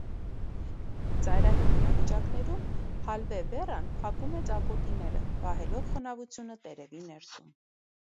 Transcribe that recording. Ծայրահեղ իրավիճակներում հալվե վերան փակում է ծակոտիները՝ պահելով խոնավությունը տերևի ներսում։